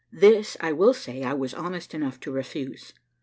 This, I will say, I was honest enough to refuse.